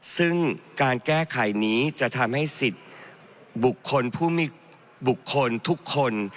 ซึ่งการแก้ไขนี้จะทำให้สิทธิ์บุคคลทุกคน